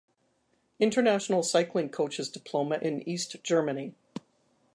International Cycling Coaches Diploma in East Germany.